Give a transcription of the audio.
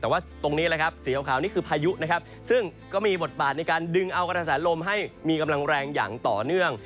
แต่ว่าตรงนี้แหละครับสีขาวนี่คือพายุนะครับซึ่งก็มีบทบาทในการดึงเอากระแสลมให้มีกำลังแรงอย่างต่อเนื่อง